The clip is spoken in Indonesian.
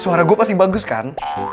suara gue pasti bagus kan